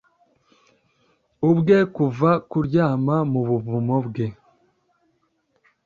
ubwe Kuva kuryama mu buvumo bwe;